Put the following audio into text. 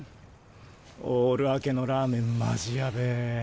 オール明けのラーメンマジやべぇ。